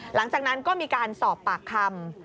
หลังจากนั้นก็มีการสอบปากคำ